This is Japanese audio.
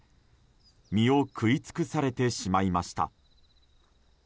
実を食い尽くされてしまいました。